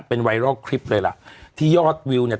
เป็นไวรัลคลิปเลยล่ะที่ยอดวิวเนี่ย